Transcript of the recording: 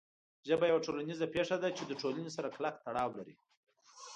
ژبه یوه ټولنیزه پېښه ده چې د ټولنې سره کلک تړاو لري.